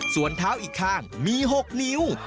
ส่วนเท้าอีกข้างมี๖นิ้ว